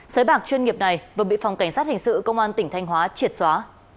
sới bạc chuyên nghiệp này vừa bị phòng cảnh sát hình sự công an tỉnh thanh hóa triệt xóa